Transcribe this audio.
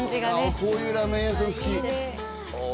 こういうラーメン屋さん好きああ